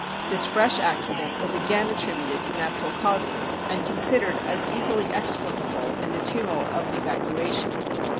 This fresh accident was again at tributed to natural causes, and considered as easily ex pHcable in the tumult of an evacuation.